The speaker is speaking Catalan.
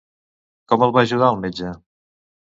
Com el va ajudar el metge?